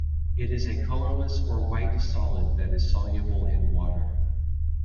It is a colorless or white solid that is soluble in water.